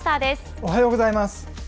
おはようございます。